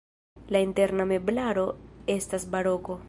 La interna meblaro estas baroko.